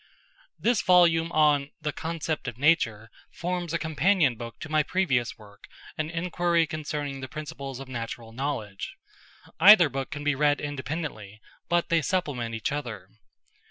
This volume on 'the Concept of Nature' forms a companion book to my previous work An Enquiry concerning the Principles of Natural Knowledge. Either book can be read independently, but they supplement each other.